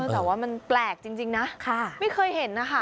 แต่ว่ามันแปลกจริงนะไม่เคยเห็นนะคะ